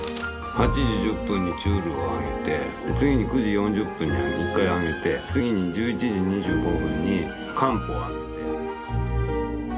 ８時１０分にチュールをあげて次に９時４０分に１回あげて次に１１時２５分に漢方あげて。